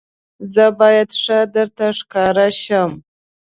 زه باید ښه درته ښکاره شم.